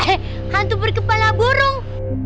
eh hantu berkepala burung